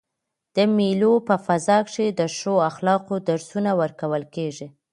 د مېلو په فضا کښي د ښو اخلاقو درسونه ورکول کیږي.